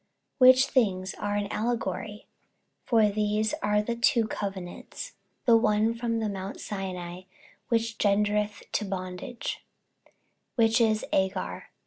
48:004:024 Which things are an allegory: for these are the two covenants; the one from the mount Sinai, which gendereth to bondage, which is Agar.